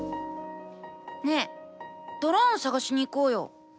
ね、ドローン探しに行こうよ。